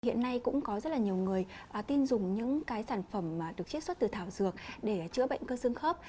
hiện nay cũng có rất là nhiều người tin dùng những cái sản phẩm được chiết xuất từ thảo dược để chữa bệnh cơ xương khớp